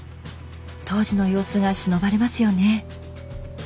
当時の様子がしのばれますよね。